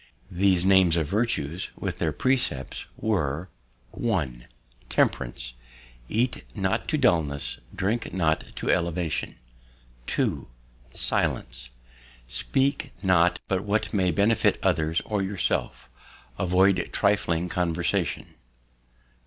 These names of virtues, with their precepts, were: 1. Temperance. Eat not to dullness; drink not to elevation. 2. Silence. Speak not but what may benefit others or yourself; avoid trifling conversation.